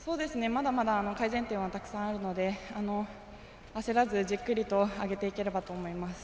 まだまだ改善点はたくさんあるので焦らずじっくりと上げていければと思います。